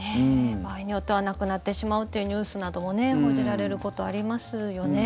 場合によっては亡くなってしまうというニュースなども報じられることありますよね。